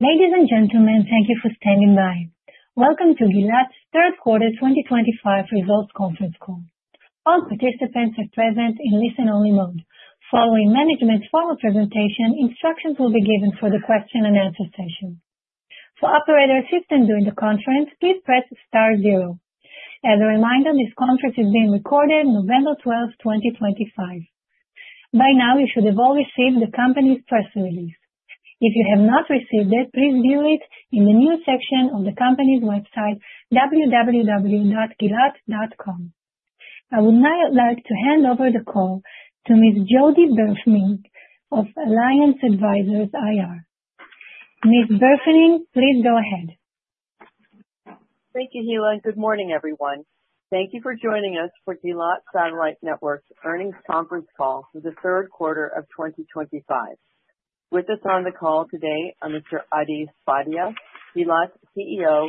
Ladies and gentlemen, thank you for standing by. Welcome to Gilat's Third Quarter 2025 Results Conference Call. All participants are present in listen-only mode. Following management's formal presentation, instructions will be given for the question-and-answer session. For operators assisting during the conference, please press star zero. As a reminder, this conference is being recorded on November 12, 2025. By now, you should have all received the company's press release. If you have not received it, please view it in the news section of the company's website, www.gilat.com. I would now like to hand over the call to Ms. Jody Burfening of Alliance Advisors IR. Ms. Burfening, please go ahead. Thank you, Hila. Good morning, everyone. Thank you for joining us for Gilat Satellite Networks' Earnings Conference Call for the Third Quarter of 2025. With us on the call today are Mr. Adi Sfadia, Gilat CEO,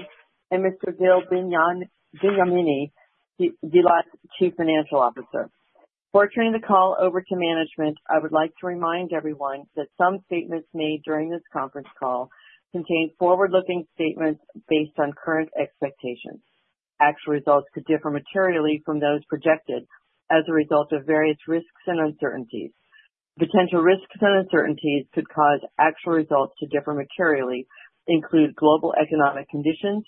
and Mr. Gil Benyamini, Gilat's Chief Financial Officer. Forwarding the call over to management, I would like to remind everyone that some statements made during this conference call contain forward-looking statements based on current expectations. Actual results could differ materially from those projected as a result of various risks and uncertainties. Potential risks and uncertainties could cause actual results to differ materially include global economic conditions,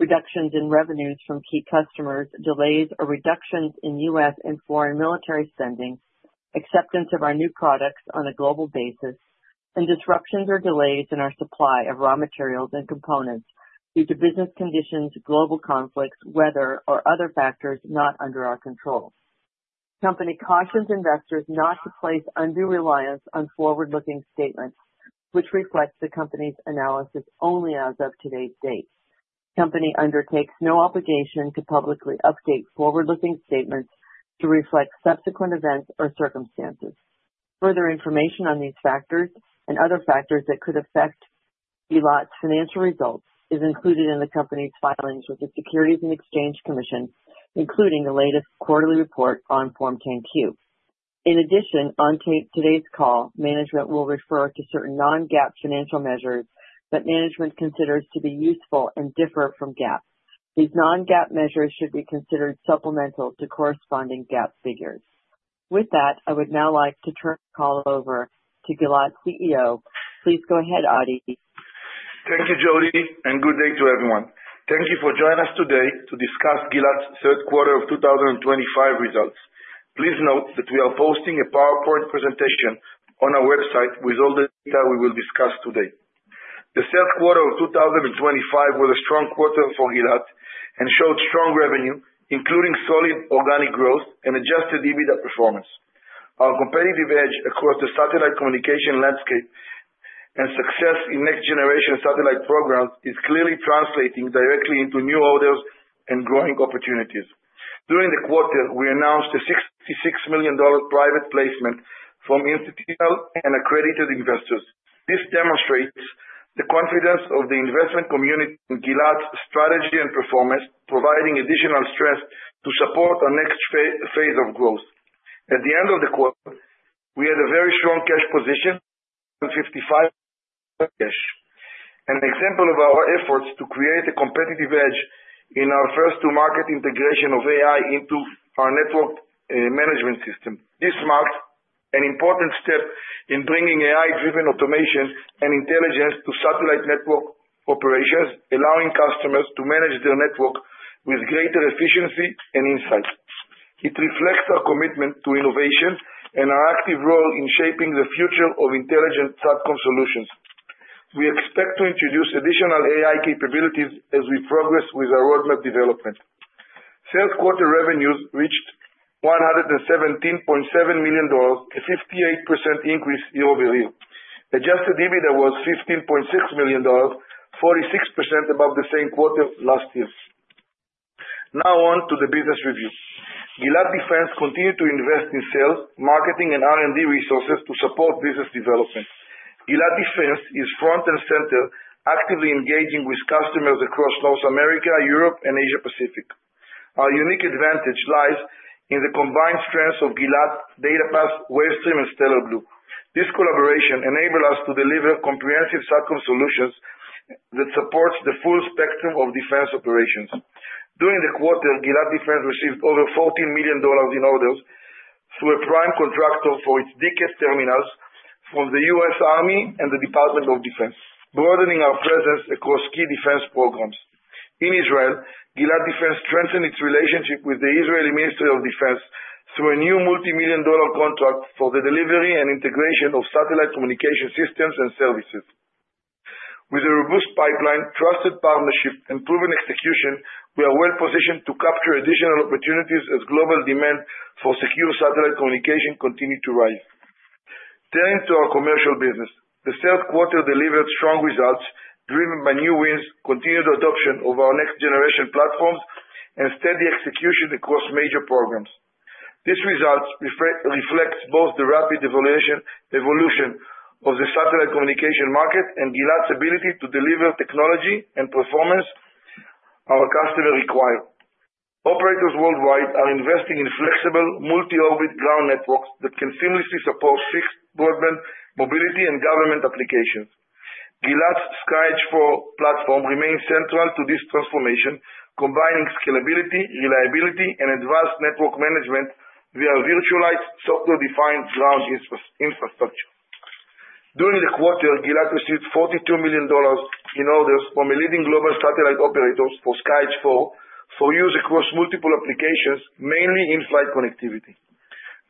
reductions in revenues from key customers, delays or reductions in U.S. and foreign military spending, acceptance of our new products on a global basis, and disruptions or delays in our supply of raw materials and components due to business conditions, global conflicts, weather, or other factors not under our control. Company cautions investors not to place undue reliance on forward-looking statements, which reflects the company's analysis only as of today's date. Company undertakes no obligation to publicly update forward-looking statements to reflect subsequent events or circumstances. Further information on these factors and other factors that could affect Gilat's financial results is included in the company's filings with the Securities and Exchange Commission, including the latest quarterly report on Form 10-Q. In addition, on today's call, management will refer to certain non-GAAP financial measures that management considers to be useful and differ from GAAP. These non-GAAP measures should be considered supplemental to corresponding GAAP figures. With that, I would now like to turn the call over to Gilat CEO. Please go ahead, Adi. Thank you, Jody, and good day to everyone. Thank you for joining us today to discuss Gilat's Third Quarter of 2025 Results. Please note that we are posting a PowerPoint presentation on our website with all the data we will discuss today. The Third Quarter of 2025 was a strong quarter for Gilat and showed strong revenue, including solid organic growth and adjusted EBITDA performance. Our competitive edge across the satellite communication landscape and success in next-generation satellite programs is clearly translating directly into new orders and growing opportunities. During the quarter, we announced a $66 million private placement from institutional and accredited investors. This demonstrates the confidence of the investment community in Gilat's strategy and performance, providing additional strength to support our next phase of growth. At the end of the quarter, we had a very strong cash position, $155 cash. An example of our efforts to create a competitive edge in our first-to-market integration of AI into our network management system. This marked an important step in bringing AI-driven automation and intelligence to satellite network operations, allowing customers to manage their network with greater efficiency and insight. It reflects our commitment to innovation and our active role in shaping the future of intelligent satcom solutions. We expect to introduce additional AI capabilities as we progress with our roadmap development. Third-quarter revenues reached $117.7 million, a 58% increase year-over-year. Adjusted EBITDA was $15.6 million, 46% above the same quarter last year. Now on to the business review. Gilat Defense continues to invest in sales, marketing, and R&D resources to support business development. Gilat Defense is front and center, actively engaging with customers across North America, Europe, and Asia-Pacific. Our unique advantage lies in the combined strengths of Gilat DataPath, Wavestream, and Stellar Blu. This collaboration enables us to deliver comprehensive satcom solutions that support the full spectrum of defense operations. During the quarter, Gilat Defense received over $14 million in orders through a prime contractor for its DKET terminals from the U.S. Army and the Department of Defense, broadening our presence across key defense programs. In Israel, Gilat Defense strengthened its relationship with the Israeli Ministry of Defense through a new multi-million-dollar contract for the delivery and integration of satellite communication systems and services. With a robust pipeline, trusted partnership, and proven execution, we are well positioned to capture additional opportunities as global demand for secure satellite communication continues to rise. Turning to our commercial business, the Third Quarter delivered strong results driven by new wins, continued adoption of our next-generation platforms, and steady execution across major programs. This result reflects both the rapid evolution of the satellite communication market and Gilat's ability to deliver technology and performance our customers require. Operators worldwide are investing in flexible multi-orbit ground networks that can seamlessly support fixed broadband mobility and government applications. Gilat's SkyEdge IV platform remains central to this transformation, combining scalability, reliability, and advanced network management via virtualized software-defined ground infrastructure. During the quarter, Gilat received $42 million in orders from a leading global satellite operator for SkyEdge IV for use across multiple applications, mainly in flight connectivity.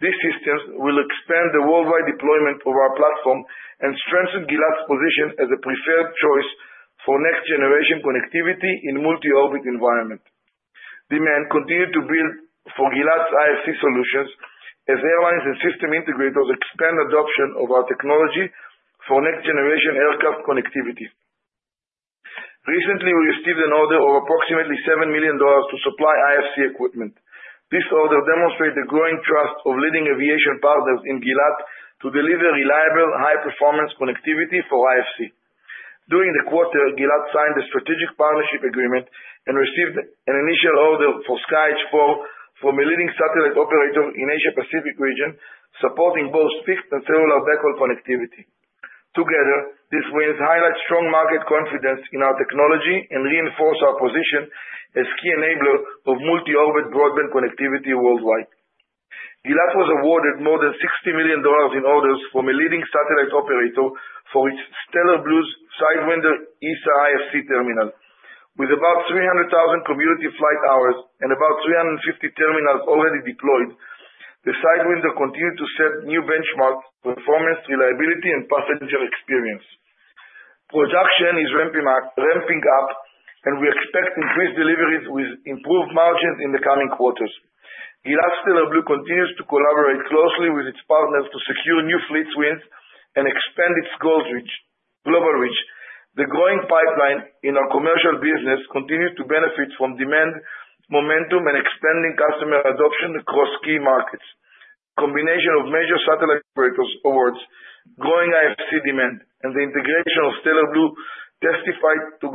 These systems will expand the worldwide deployment of our platform and strengthen Gilat's position as a preferred choice for next-generation connectivity in multi-orbit environments. Demand continues to build for Gilat's IFC solutions as airlines and system integrators expand adoption of our technology for next-generation aircraft connectivity. Recently, we received an order of approximately $7 million to supply IFC equipment. This order demonstrates the growing trust of leading aviation partners in Gilat to deliver reliable, high-performance connectivity for IFC. During the quarter, Gilat signed a strategic partnership agreement and received an initial order for SkyEdge IV from a leading satellite operator in the Asia-Pacific region, supporting both fixed and cellular backhaul connectivity. Together, these wins highlight strong market confidence in our technology and reinforce our position as a key enabler of multi-orbit broadband connectivity worldwide. Gilat was awarded more than $60 million in orders from a leading satellite operator for its Stellar Blu's Sidewinder ESA IFC terminal. With about 300,000 commercial flight hours and about 350 terminals already deployed, the Sidewinder continues to set new benchmarks for performance, reliability, and passenger experience. Production is ramping up, and we expect increased deliveries with improved margins in the coming quarters. Gilat Stellar Blu continues to collaborate closely with its partners to secure new fleet wins and expand its global reach. The growing pipeline in our commercial business continues to benefit from demand momentum and expanding customer adoption across key markets. The combination of major satellite operators awards growing IFC demand, and the integration of Stellar Blu testifies to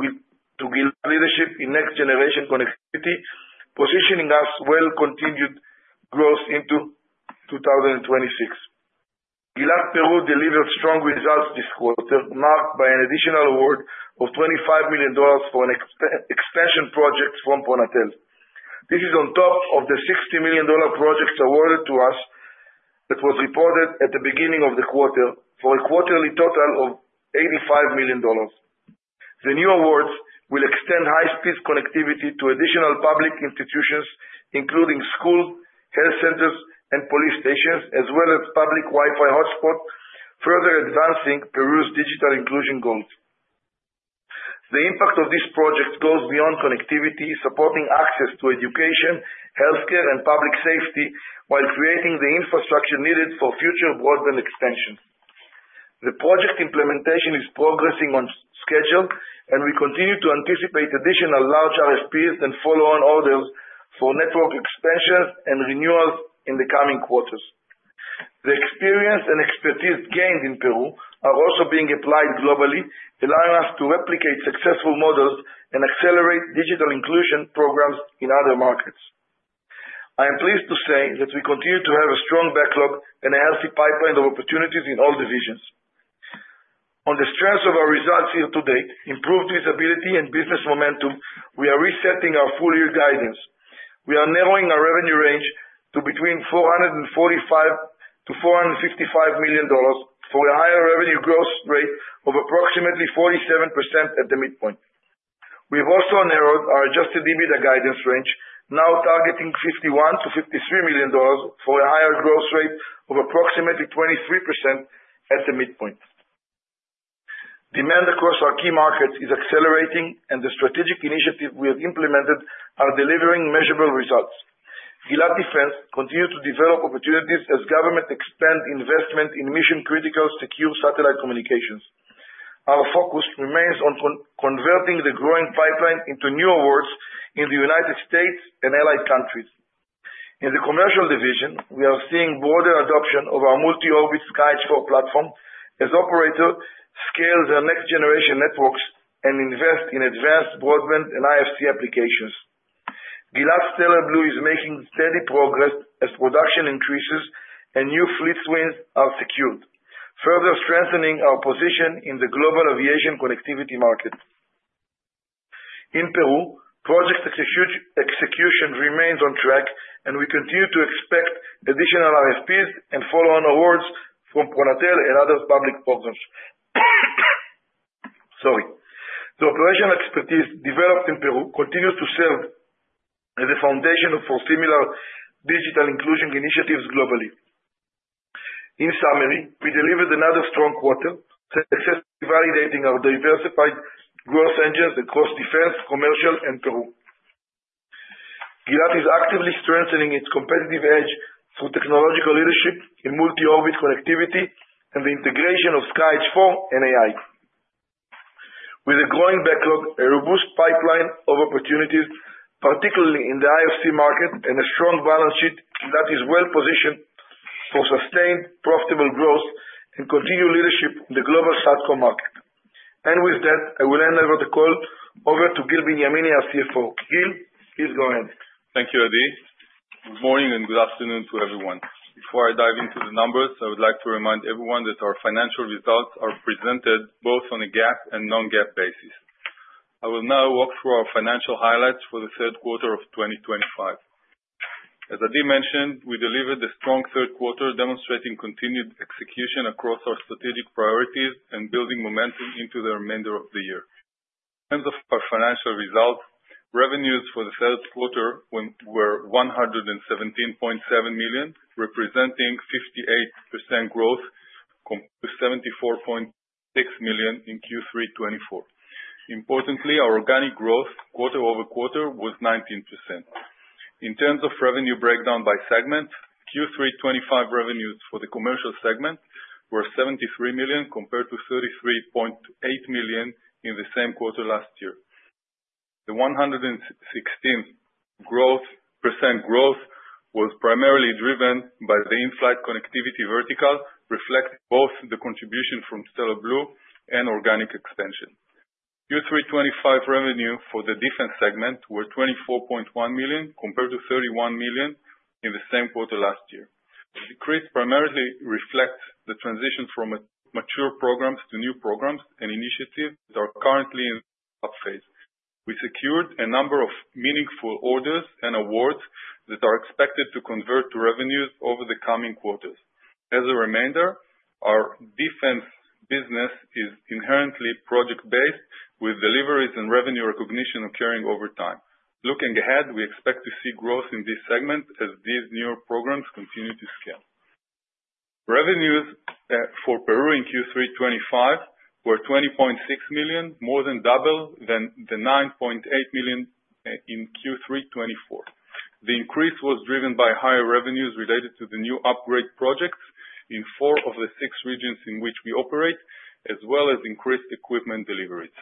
Gilat's leadership in next-generation connectivity, positioning us well for continued growth into 2026. Gilat Peru delivered strong results this quarter, marked by an additional award of $25 million for an expansion project from Pronatel. This is on top of the $60 million project awarded to us that was reported at the beginning of the quarter for a quarterly total of $85 million. The new awards will extend high-speed connectivity to additional public institutions, including schools, health centers, and police stations, as well as public Wi-Fi hotspots, further advancing Peru's digital inclusion goals. The impact of this project goes beyond connectivity, supporting access to education, healthcare, and public safety while creating the infrastructure needed for future broadband extensions. The project implementation is progressing on schedule, and we continue to anticipate additional large RFPs and follow-on orders for network expansions and renewals in the coming quarters. The experience and expertise gained in Peru are also being applied globally, allowing us to replicate successful models and accelerate digital inclusion programs in other markets. I am pleased to say that we continue to have a strong backlog and a healthy pipeline of opportunities in all divisions. On the strength of our results year-to-date, improved visibility, and business momentum, we are resetting our full-year guidance. We are narrowing our revenue range to between $445-$455 million for a higher revenue growth rate of approximately 47% at the midpoint. We have also narrowed our adjusted EBITDA guidance range, now targeting $51-$53 million for a higher growth rate of approximately 23% at the midpoint. Demand across our key markets is accelerating, and the strategic initiatives we have implemented are delivering measurable results. Gilat Defense continues to develop opportunities as government expands investment in mission-critical secure satellite communications. Our focus remains on converting the growing pipeline into new awards in the United States and allied countries. In the commercial division, we are seeing broader adoption of our multi-orbit SkyEdge IV platform as operators scale their next-generation networks and invest in advanced broadband and IFC applications. Gilat Stellar Blu is making steady progress as production increases and new fleet wins are secured, further strengthening our position in the global aviation connectivity market. In Peru, project execution remains on track, and we continue to expect additional RFPs and follow-on awards from Pronatel and other public programs. The operational expertise developed in Peru continues to serve as a foundation for similar digital inclusion initiatives globally. In summary, we delivered another strong quarter, successfully validating our diversified growth engines across defense, commercial, and Peru. Gilat is actively strengthening its competitive edge through technological leadership in multi-orbit connectivity and the integration of SkyEdge IV and AI. With a growing backlog, a robust pipeline of opportunities, particularly in the IFC market, and a strong balance sheet, Gilat is well positioned for sustained profitable growth and continued leadership in the global satcom market. And with that, I will hand over the call to Gil Benyamini, our CFO. Gil, please go ahead. Thank you, Adi. Good morning and good afternoon to everyone. Before I dive into the numbers, I would like to remind everyone that our financial results are presented both on a GAAP and non-GAAP basis. I will now walk through our financial highlights for the Third Quarter of 2025. As Adi mentioned, we delivered a strong Third Quarter, demonstrating continued execution across our strategic priorities and building momentum into the remainder of the year. In terms of our financial results, revenues for the Third Quarter were $117.7 million, representing 58% growth compared to $74.6 million in Q3 2024. Importantly, our organic growth quarter-over-quarter was 19%. In terms of revenue breakdown by segment, Q3 2025 revenues for the commercial segment were $73 million compared to $33.8 million in the same quarter last year. The 116% growth was primarily driven by the in-flight connectivity vertical, reflecting both the contribution from Stellar Blu and organic expansion. Q3 2025 revenue for the defense segment was $24.1 million compared to $31 million in the same quarter last year. The decrease primarily reflects the transition from mature programs to new programs and initiatives that are currently in the up phase. We secured a number of meaningful orders and awards that are expected to convert to revenues over the coming quarters. As a reminder, our defense business is inherently project-based, with deliveries and revenue recognition occurring over time. Looking ahead, we expect to see growth in this segment as these newer programs continue to scale. Revenues for Peru in Q3 2025 were $20.6 million, more than double than the $9.8 million in Q3 2024. The increase was driven by higher revenues related to the new upgrade projects in four of the six regions in which we operate, as well as increased equipment deliveries.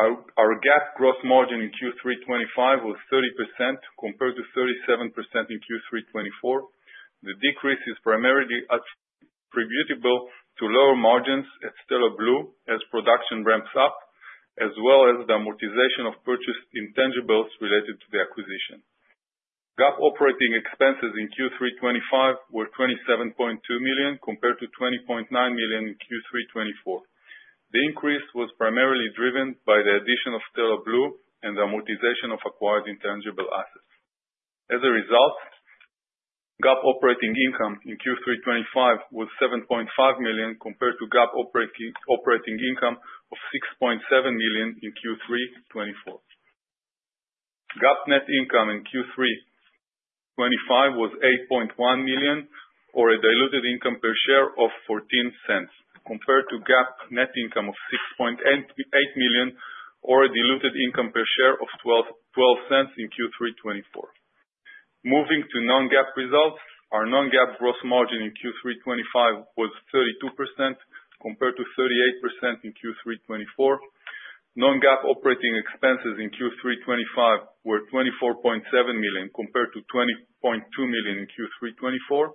Our GAAP gross margin in Q3 2025 was 30% compared to 37% in Q3 2024. The decrease is primarily attributable to lower margins at Stellar Blu as production ramps up, as well as the amortization of purchased intangibles related to the acquisition. GAAP operating expenses in Q3 2025 were $27.2 million compared to $20.9 million in Q3 2024. The increase was primarily driven by the addition of Stellar Blu and the amortization of acquired intangible assets. As a result, GAAP operating income in Q3 2025 was $7.5 million compared to GAAP operating income of $6.7 million in Q3 2024. GAAP net income in Q3 2025 was $8.1 million, or a diluted income per share of $0.14, compared to GAAP net income of $6.8 million, or a diluted income per share of $0.12 in Q3 2024. Moving to non-GAAP results, our non-GAAP gross margin in Q3 2025 was 32% compared to 38% in Q3 2024. Non-GAAP operating expenses in Q3 2025 were $24.7 million compared to $20.2 million in Q3 2024.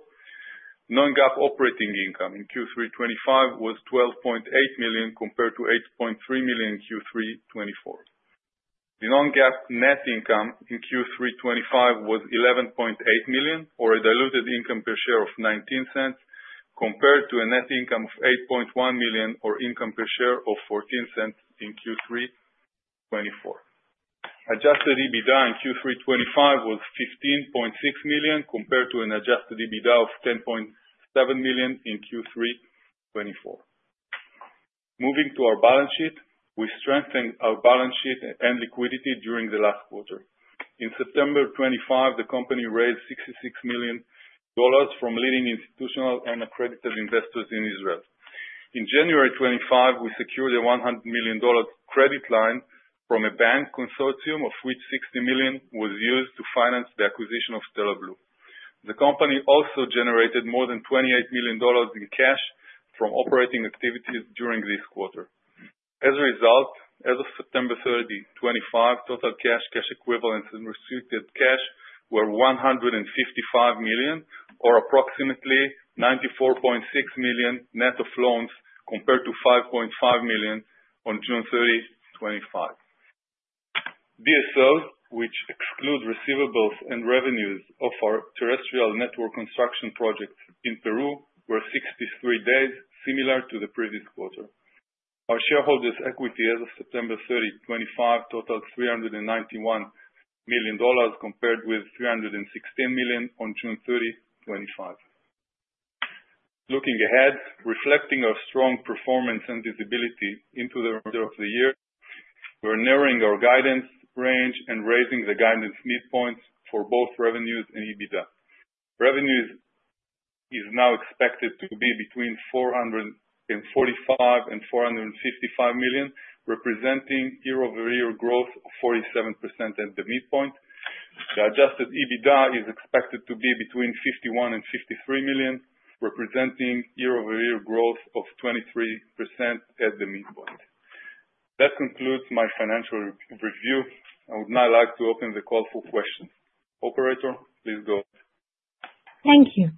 Non-GAAP operating income in Q3 2025 was $12.8 million compared to $8.3 million in Q3 2024. The non-GAAP net income in Q3 2025 was $11.8 million, or a diluted income per share of $0.19, compared to a net income of $8.1 million or income per share of $0.14 in Q3 2024. Adjusted EBITDA in Q3 2025 was $15.6 million compared to an adjusted EBITDA of $10.7 million in Q3 2024. Moving to our balance sheet, we strengthened our balance sheet and liquidity during the last quarter. In September 2025, the company raised $66 million from leading institutional and accredited investors in Israel. In January 2025, we secured a $100 million credit line from a bank consortium, of which $60 million was used to finance the acquisition of Stellar Blu. The company also generated more than $28 million in cash from operating activities during this quarter. As a result, as of September 30, 2025, total cash, cash equivalents, and restricted cash were $155 million, or approximately $94.6 million net of loans compared to $5.5 million on June 30, 2025. DSOs, which exclude receivables and revenues of our terrestrial network construction projects in Peru, were 63 days, similar to the previous quarter. Our shareholders' equity as of September 30, 2025, totaled $391 million compared with $316 million on June 30, 2025. Looking ahead, reflecting our strong performance and visibility into the remainder of the year, we are narrowing our guidance range and raising the guidance midpoint for both revenues and EBITDA. Revenues is now expected to be between $445-$455 million, representing year-over-year growth of 47% at the midpoint. The adjusted EBITDA is expected to be between $51-$53 million, representing year-over-year growth of 23% at the midpoint. That concludes my financial review. I would now like to open the call for questions. Operator, please go. Thank you.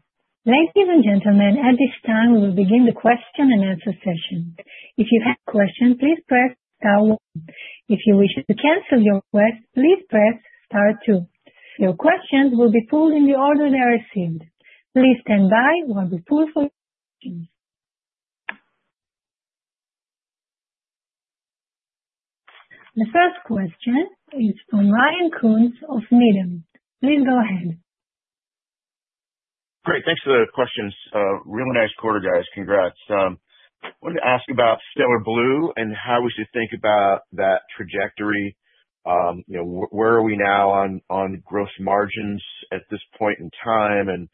Ladies and gentlemen, at this time, we will begin the question and answer session. If you have questions, please press Star one. If you wish to cancel your request, please press Star two. Your questions will be pulled in the order they are received. Please stand by while we pull for your questions. The first question is from Ryan Koontz of Needham. Please go ahead. Great. Thanks for the questions. Really nice quarter, guys. Congrats. I wanted to ask about Stellar Blu and how we should think about that trajectory. Where are we now on gross margins at this point in time, and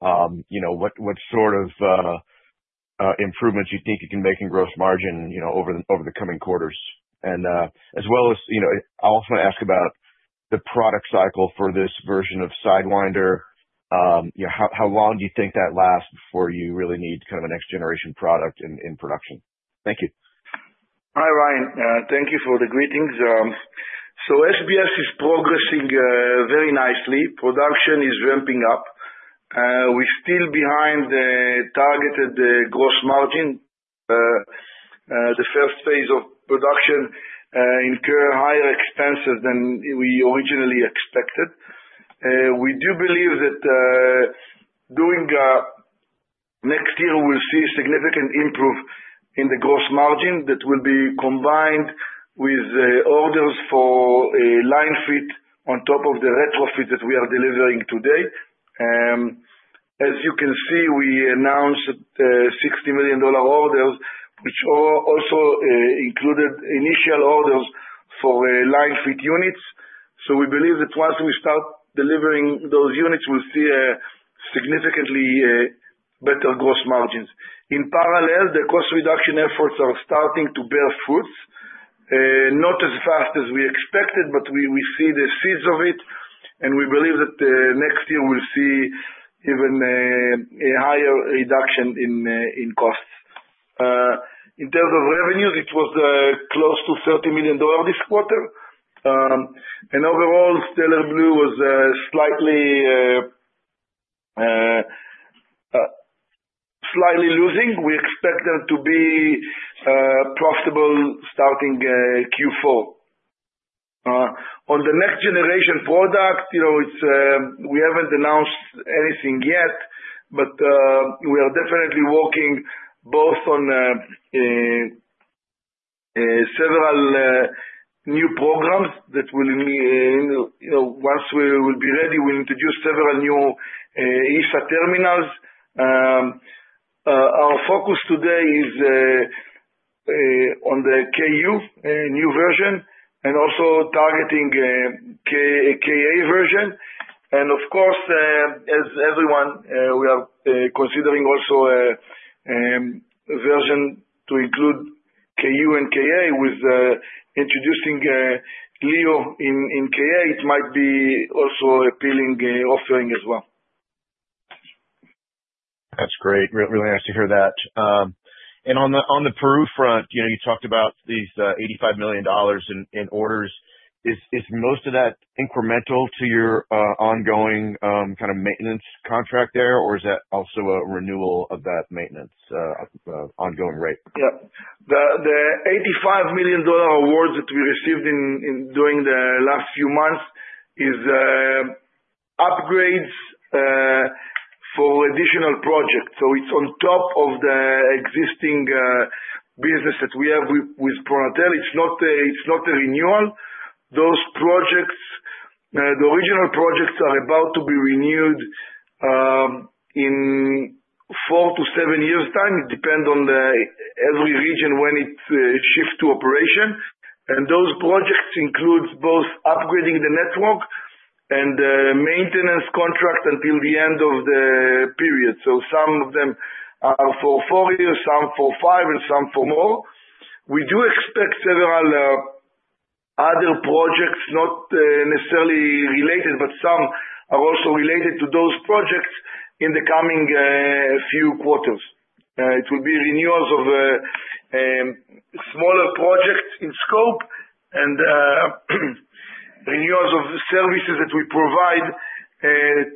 what sort of improvements you think you can make in gross margin over the coming quarters? And as well as, I also want to ask about the product cycle for this version of Sidewinder. How long do you think that lasts before you really need kind of a next-generation product in production? Thank you. Hi, Ryan. Thank you for the greetings, so SBS is progressing very nicely. Production is ramping up. We're still behind the targeted gross margin. The first phase of production incurred higher expenses than we originally expected. We do believe that during next year, we'll see a significant improvement in the gross margin that will be combined with orders for line-fit on top of the retrofit that we are delivering today. As you can see, we announced $60 million orders, which also included initial orders for line-fit units, so we believe that once we start delivering those units, we'll see significantly better gross margins. In parallel, the cost reduction efforts are starting to bear fruit, not as fast as we expected, but we see the seeds of it, and we believe that next year, we'll see even a higher reduction in costs. In terms of revenues, it was close to $30 million this quarter, and overall, Stellar Blu was slightly losing. We expect them to be profitable starting Q4. On the next-generation product, we haven't announced anything yet, but we are definitely working both on several new programs that will, once we will be ready, we'll introduce several new ESA terminals. Our focus today is on the Ku new version and also targeting Ka version, and of course, as everyone, we are considering also a version to include Ku and Ka with introducing LEO in Ka. It might be also appealing offering as well. That's great. Really nice to hear that. And on the Peru front, you talked about these $85 million in orders. Is most of that incremental to your ongoing kind of maintenance contract there, or is that also a renewal of that maintenance ongoing rate? Yep. The $85 million awards that we received during the last few months are upgrades for additional projects, so it's on top of the existing business that we have with Pronatel. It's not a renewal. Those projects, the original projects are about to be renewed in four to seven years' time. It depends on every region when it shifts to operation, and those projects include both upgrading the network and the maintenance contract until the end of the period, so some of them are for four years, some for five, and some for more. We do expect several other projects, not necessarily related, but some are also related to those projects in the coming few quarters. It will be renewals of smaller projects in scope and renewals of services that we provide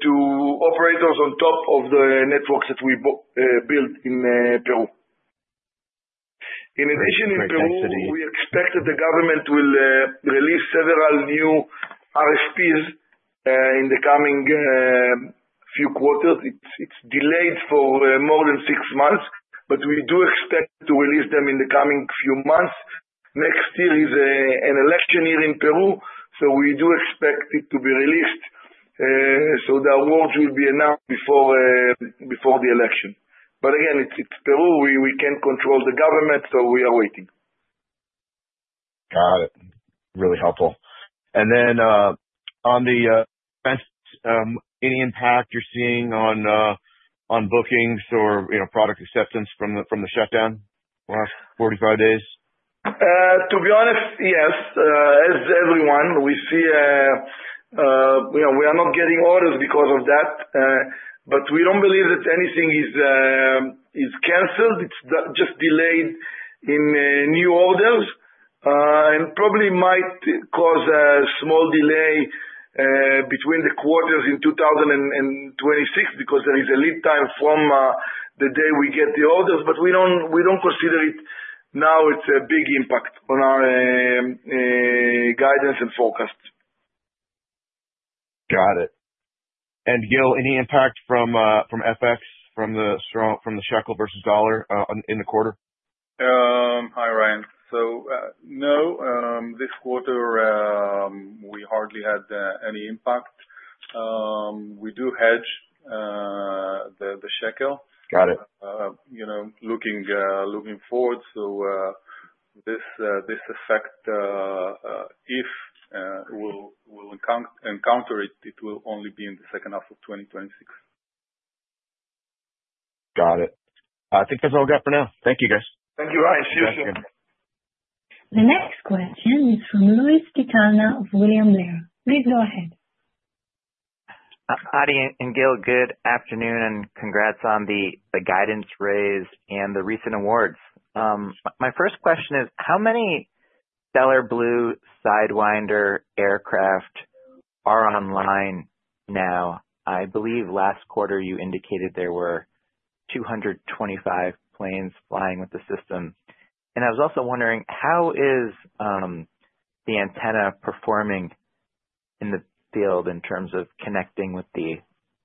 to operators on top of the networks that we built in Peru. In addition, in Peru, we expect that the government will release several new RFPs in the coming few quarters. It's delayed for more than six months, but we do expect to release them in the coming few months. Next year is an election year in Peru, so we do expect it to be released. So the awards will be announced before the election. But again, it's Peru. We can't control the government, so we are waiting. Got it. Really helpful. And then on the expenses, any impact you're seeing on bookings or product acceptance from the shutdown last 45 days? To be honest, yes, as everyone. We see we are not getting orders because of that, but we don't believe that anything is canceled. It's just delayed in new orders and probably might cause a small delay between the quarters in 2026 because there is a lead time from the day we get the orders. But we don't consider it now. It's a big impact on our guidance and forecast. Got it. And Gil, any impact from FX, from the shekel versus dollar in the quarter? Hi, Ryan. So no, this quarter, we hardly had any impact. We do hedge the shekel. Got it. Looking forward, so this effect, if we'll encounter it, it will only be in the second half of 2026. Got it. I think that's all we got for now. Thank you, guys. Thank you, Ryan. See you soon. The next question is from Luis Quintana, William Blair. Please go ahead. Adi and Gil, good afternoon and congrats on the guidance raise and the recent awards. My first question is, how many Stellar Blu Sidewinder aircraft are online now? I believe last quarter, you indicated there were 225 planes flying with the system. And I was also wondering, how is the antenna performing in the field in terms of connecting with the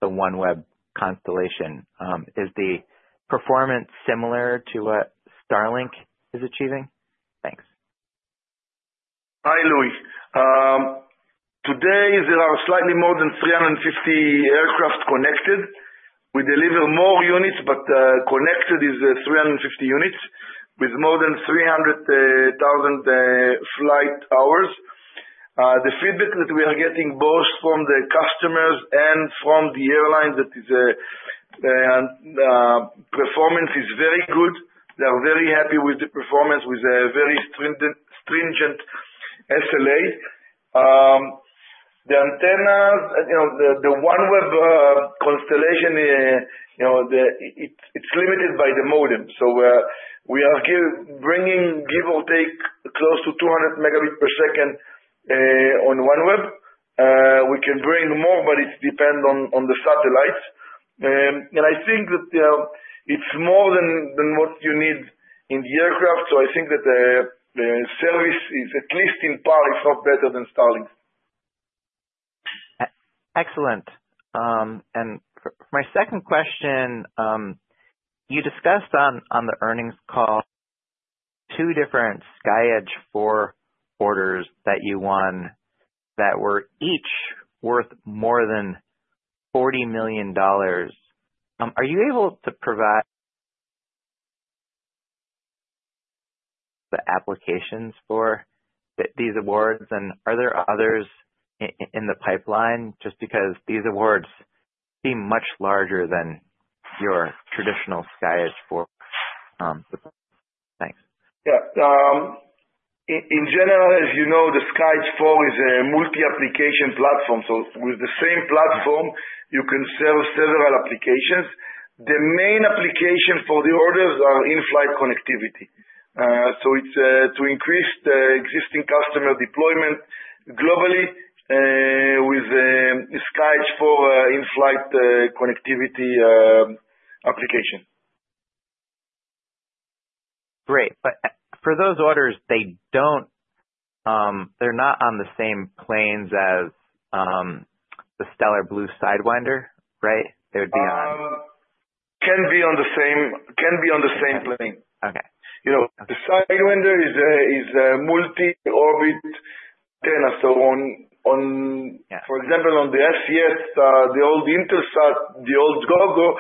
OneWeb constellation? Is the performance similar to what Starlink is achieving? Thanks. Hi, Luis. Today, there are slightly more than 350 aircraft connected. We deliver more units, but connected is 350 units with more than 300,000 flight hours. The feedback that we are getting, both from the customers and from the airline, that the performance is very good. They are very happy with the performance with a very stringent SLA. The antennas, the OneWeb constellation, it's limited by the modem. So we are bringing, give or take, close to 200 megabits per second on OneWeb. We can bring more, but it depends on the satellites. And I think that it's more than what you need in the aircraft. So I think that the service is at least in part, if not better, than Starlink. Excellent, and my second question, you discussed on the earnings call two different SkyEdge IV orders that you won that were each worth more than $40 million. Are you able to provide the applications for these awards? And are there others in the pipeline just because these awards seem much larger than your traditional SkyEdge IV? Thanks. Yeah. In general, as you know, the SkyEdge IV is a multi-application platform, so with the same platform, you can serve several applications. The main application for the orders are in-flight connectivity, so it's to increase the existing customer deployment globally with SkyEdge IV in-flight connectivity application. Great. But for those orders, they're not on the same planes as the Stellar Blu Sidewinder, right? They would be on. Can be on the same plane. Okay. The Sidewinder is a multi-orbit antenna. So on, for example, on the SES, the old Intelsat, the old Gogo,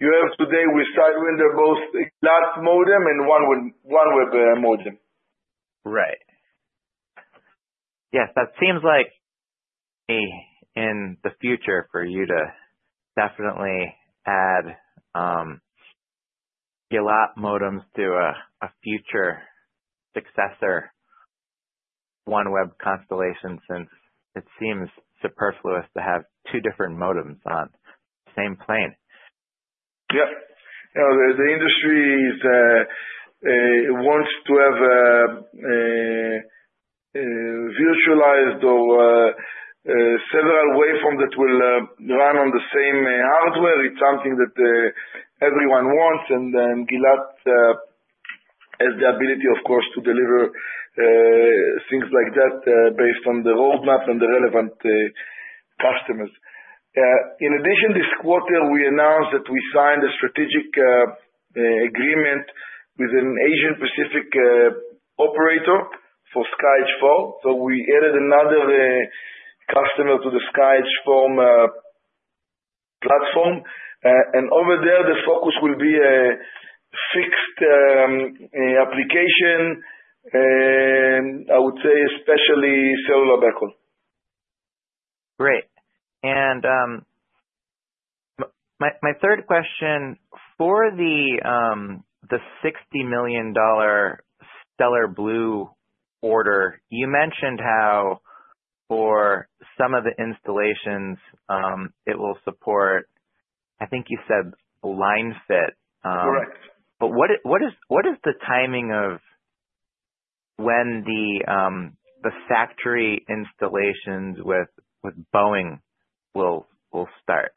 you have today with Sidewinder both Gilat modem and OneWeb modem. Right. Yes. That seems like in the future for you to definitely add Gilat modems to a future successor OneWeb constellation since it seems superfluous to have two different modems on the same plane. Yep. The industry wants to have virtualized or several waveforms that will run on the same hardware. It's something that everyone wants. And then Gilat has the ability, of course, to deliver things like that based on the roadmap and the relevant customers. In addition, this quarter, we announced that we signed a strategic agreement with an Asia-Pacific operator for SkyEdge IV. So we added another customer to the SkyEdge IV platform. And over there, the focus will be a fixed application, I would say, especially cellular backhaul. Great. And my third question, for the $60 million Stellar Blu order, you mentioned how for some of the installations, it will support, I think you said, line-fit? Correct. What is the timing of when the factory installations with Boeing will start?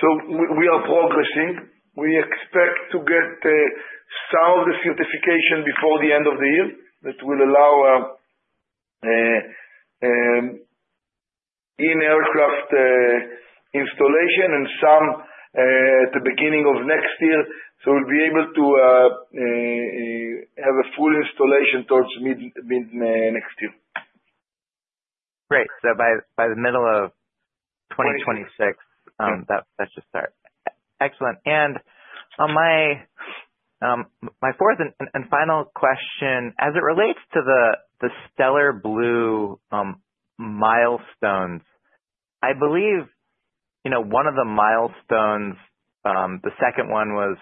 So we are progressing. We expect to get some of the certification before the end of the year that will allow in-aircraft installation and some at the beginning of next year. So we'll be able to have a full installation towards mid-next year. Great. So by the middle of 2026, that should start. Excellent. And my fourth and final question, as it relates to the Stellar Blu milestones, I believe one of the milestones, the second one was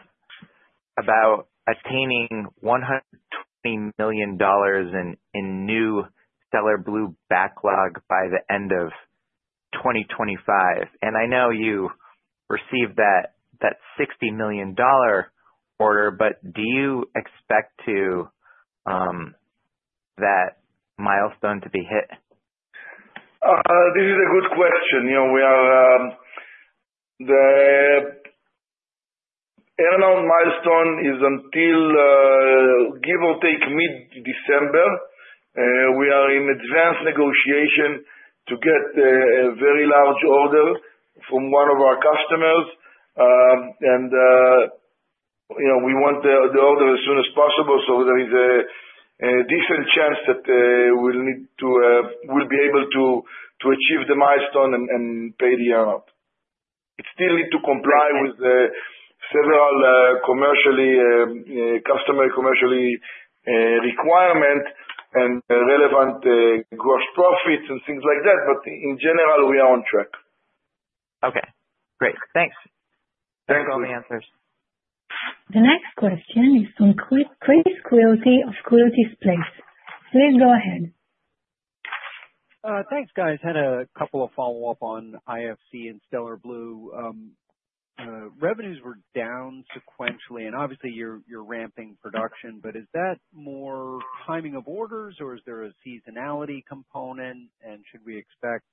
about attaining $120 million in new Stellar Blu backlog by the end of 2025. And I know you received that $60 million order, but do you expect that milestone to be hit? This is a good question. The airline milestone is until, give or take, mid-December. We are in advanced negotiation to get a very large order from one of our customers, and we want the order as soon as possible, so there is a decent chance that we'll be able to achieve the milestone and pay the earnout. It still needs to comply with several customers' commercial requirements and relevant gross profits and things like that, but in general, we are on track. Okay. Great. Thanks for all the answers. The next question is from Chris Quilty of Quilty Space. Please go ahead. Thanks, guys. Had a couple of follow-ups on IFC and Stellar Blu. Revenues were down sequentially. And obviously, you're ramping production. But is that more timing of orders, or is there a seasonality component? And should we expect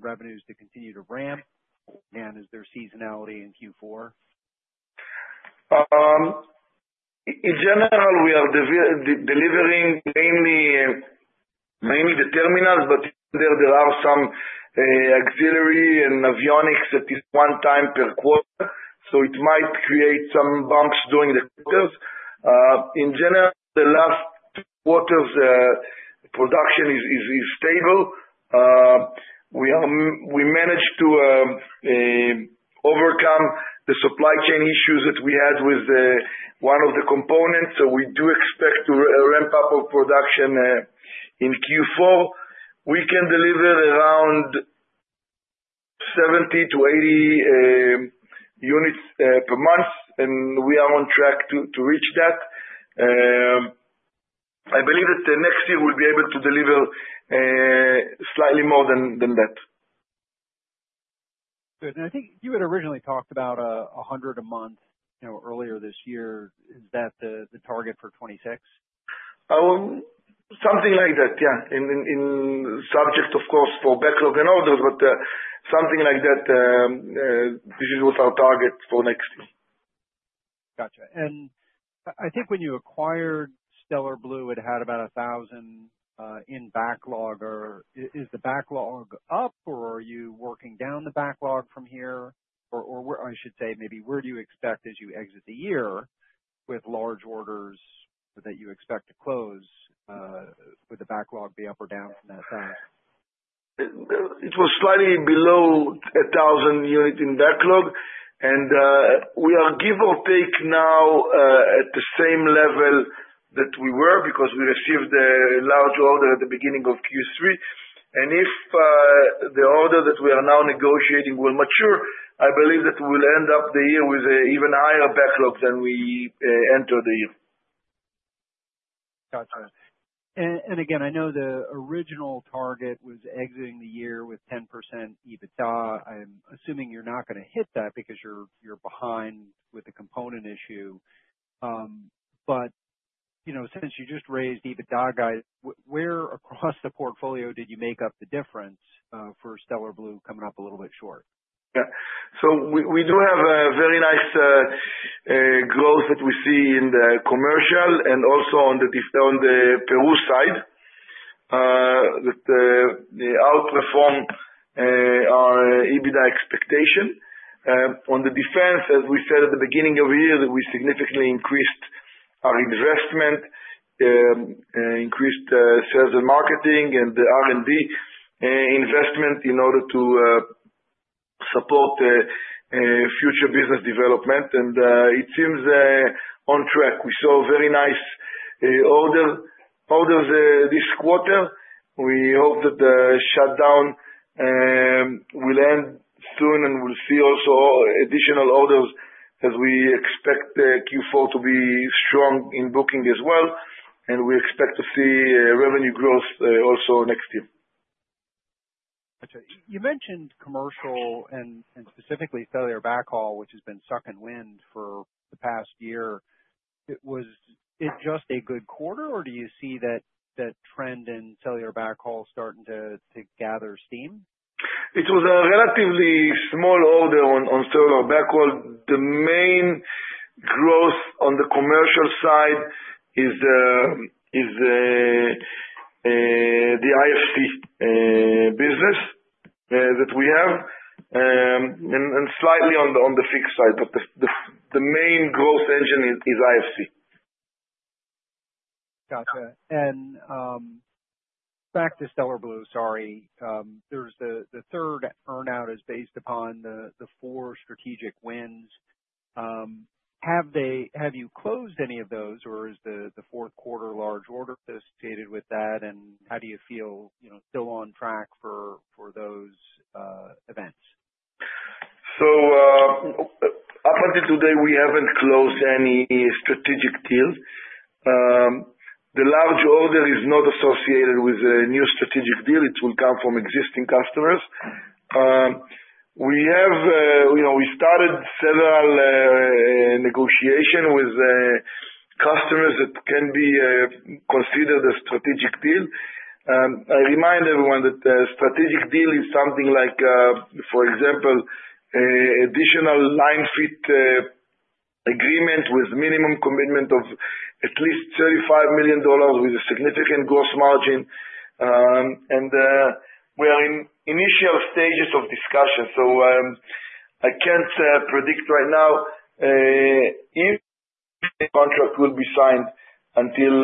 revenues to continue to ramp? And is there seasonality in Q4? In general, we are delivering mainly the terminals, but there are some auxiliary and avionics that is one time per quarter. So it might create some bumps during the quarters. In general, the last quarter's production is stable. We managed to overcome the supply chain issues that we had with one of the components. So we do expect to ramp up our production in Q4. We can deliver around 70-80 units per month, and we are on track to reach that. I believe that next year, we'll be able to deliver slightly more than that. Good. And I think you had originally talked about 100 a month earlier this year. Is that the target for 2026? Something like that, yeah. Subject, of course, for backlog and orders, but something like that. This is what our target for next year. Gotcha. And I think when you acquired Stellar Blu, it had about 1,000 in backlog. Is the backlog up, or are you working down the backlog from here? Or I should say, maybe, where do you expect as you exit the year with large orders that you expect to close with the backlog be up or down from that fast? It was slightly below 1,000 units in backlog, and we are, give or take, now at the same level that we were because we received a large order at the beginning of Q3, and if the order that we are now negotiating will mature, I believe that we will end up the year with an even higher backlog than we entered the year. Gotcha. And again, I know the original target was exiting the year with 10% EBITDA. I'm assuming you're not going to hit that because you're behind with the component issue. But since you just raised EBITDA, guys, where across the portfolio did you make up the difference for Stellar Blu coming up a little bit short? Yeah. So we do have a very nice growth that we see in the commercial and also on the Peru side that outperformed our EBITDA expectation. On the defense, as we said at the beginning of the year, we significantly increased our investment, increased sales and marketing, and the R&D investment in order to support future business development. And it seems on track. We saw a very nice order this quarter. We hope that the shutdown will end soon, and we'll see also additional orders as we expect Q4 to be strong in booking as well. And we expect to see revenue growth also next year. Gotcha. You mentioned commercial and specifically cellular backhaul, which has been sucking wind for the past year. Was it just a good quarter, or do you see that trend in cellular backhaul starting to gather steam? It was a relatively small order on cellular backhaul. The main growth on the commercial side is the IFC business that we have and slightly on the fixed side. But the main growth engine is IFC. Gotcha. And back to Stellar Blu, sorry. The third earnout is based upon the four strategic wins. Have you closed any of those, or is the fourth quarter large order associated with that? And how do you feel still on track for those events? So up until today, we haven't closed any strategic deal. The large order is not associated with a new strategic deal. It will come from existing customers. We started several negotiations with customers that can be considered a strategic deal. I remind everyone that a strategic deal is something like, for example, additional line fit agreement with minimum commitment of at least $35 million with a significant gross margin. And we are in initial stages of discussion. So I can't predict right now if the contract will be signed until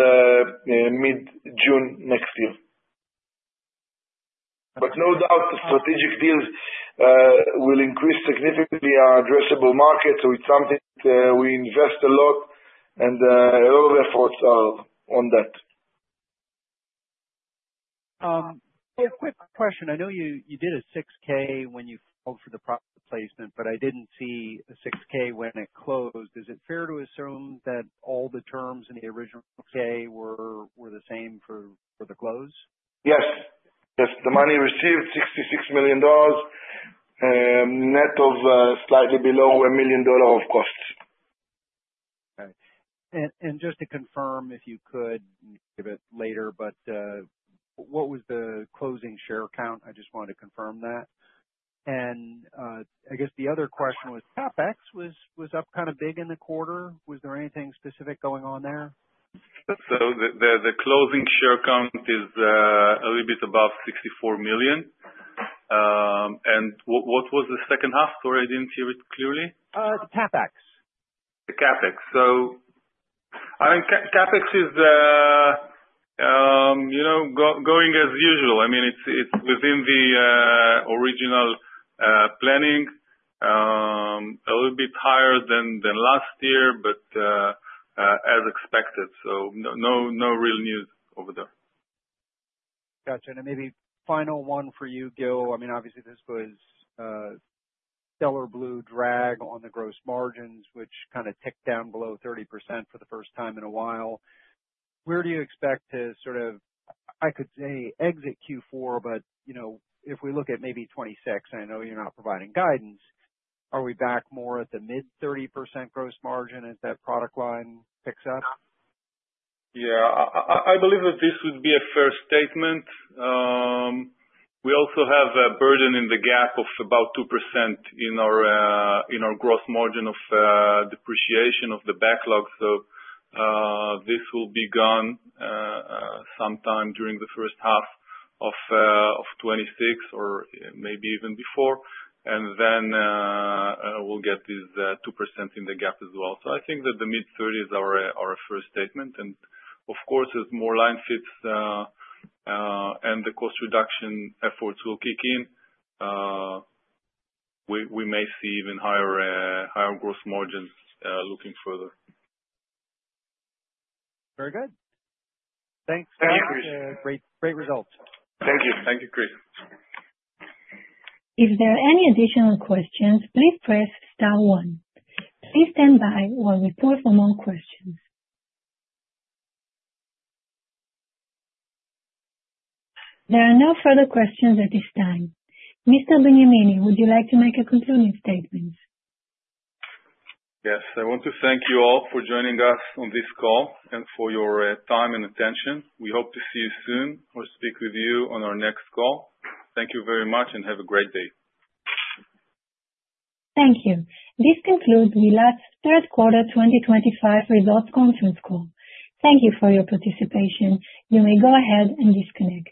mid-June next year. But no doubt, strategic deals will increase significantly our addressable market. So it's something we invest a lot, and all of our efforts are on that. Quick question. I know you did a 6-K when you filed for the private placement, but I didn't see a 6-K when it closed. Is it fair to assume that all the terms in the original 6-K were the same for the close? Yes. Yes. The money received $66 million, net of slightly below $1 million of costs. Okay. And just to confirm, if you could give it later, but what was the closing share count? I just wanted to confirm that. And I guess the other question was CapEx was up kind of big in the quarter. Was there anything specific going on there? The closing share count is a little bit above 64 million. What was the second half? Sorry, I didn't hear it clearly. The CapEx. The CapEx. So I mean, CapEx is going as usual. I mean, it's within the original planning, a little bit higher than last year, but as expected. So no real news over there. Gotcha. And maybe final one for you, Gil. I mean, obviously, this was Stellar Blu drag on the gross margins, which kind of ticked down below 30% for the first time in a while. Where do you expect to sort of, I could say, exit Q4? But if we look at maybe 2026, I know you're not providing guidance. Are we back more at the mid-30% gross margin as that product line picks up? Yeah. I believe that this would be a fair statement. We also have a burden in the gap of about 2% in our gross margin of depreciation of the backlog. So this will be gone sometime during the first half of 2026 or maybe even before. And then we'll get this 2% in the gap as well. So I think that the mid-30s are a fair statement. And of course, as more line fits and the cost reduction efforts will kick in, we may see even higher gross margins looking further. Very good. Thanks, guys. Great results. Thank you. Thank you, Chris. If there are any additional questions, please press star one. Please stand by while we pull for more questions. There are no further questions at this time. Mr. Benyamini, would you like to make a concluding statement? Yes. I want to thank you all for joining us on this call and for your time and attention. We hope to see you soon or speak with you on our next call. Thank you very much and have a great day. Thank you. This concludes the last Third Quarter 2025 Results Conference Call. Thank you for your participation. You may go ahead and disconnect.